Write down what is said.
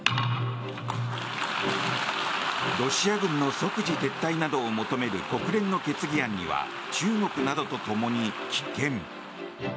ロシア軍の即時撤退などを求める国連の決議案には中国などとともに棄権。